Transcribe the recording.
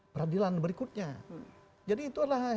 peradilan berikutnya jadi itu adalah